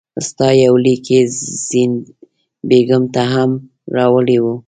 ستا یو لیک یې زین بېګم ته هم راوړی وو.